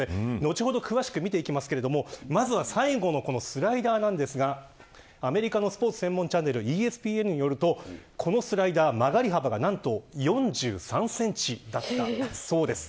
後ほど詳しく見ていきますがまずは最後のスライダーですがアメリカのスポーツ専門チャンネルＥＳＰＮによるとこのスライダー、曲がり幅が何と４３センチだったそうです。